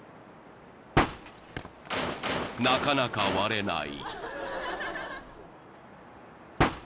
［なかなか割れない］